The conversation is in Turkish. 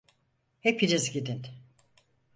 Hepiniz gidin.